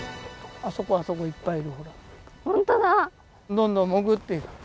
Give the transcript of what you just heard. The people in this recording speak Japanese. どんどん潜っていく。